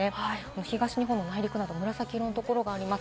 東日本の内陸など紫色のところがあります。